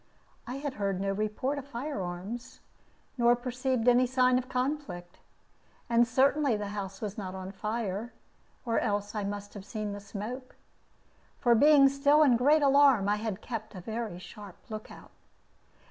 I had heard no report of fire arms, nor perceived any sign of conflict; and certainly the house was not on fire, or else I must have seen the smoke. For being still in great alarm, I had kept a very sharp lookout.